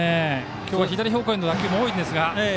今日は左方向への打球も多いんですが。